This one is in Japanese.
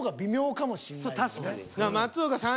確かに。